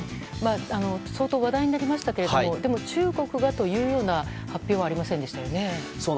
相当、話題になりましたがでも、中国がというような発表はありませんでしたよね。